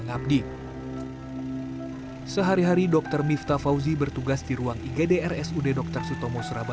dr miftah sehari harinya bekerja di unit gawat darurat